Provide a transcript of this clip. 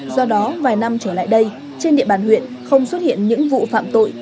do đó vài năm trở lại đây trên địa bàn huyện không xuất hiện những vụ phạm tội